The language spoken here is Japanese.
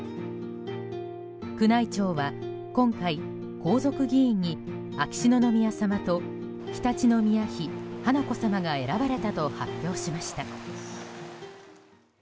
宮内庁は今回、皇族議員に秋篠宮さまと常陸宮妃華子さまが選ばれたと発表しました。